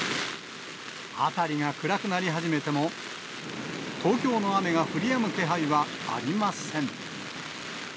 辺りが暗くなり始めても、東京の雨が降りやむ気配はありません。